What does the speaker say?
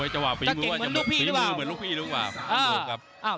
จะเก่งเหมือนลูกพี่หรือเปล่า